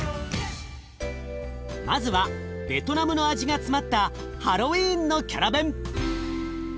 まずはベトナムの味が詰まったハロウィーンのキャラベン。